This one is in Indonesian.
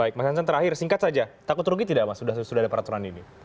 baik mas jansen terakhir singkat saja takut rugi tidak mas sudah ada peraturan ini